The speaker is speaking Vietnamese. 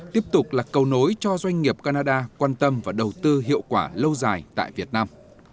tiếp tục là cầu nối cho doanh nghiệp canada quan tâm và đầu tư hiệu quả lâu dài tại việt nam